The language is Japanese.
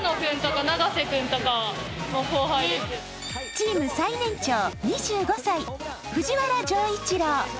チーム最年長、２５歳、藤原丈一郎。